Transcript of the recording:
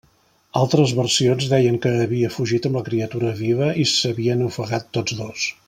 Altres versions deien que havia fugit amb la criatura viva i s'havien ofegat tots dos.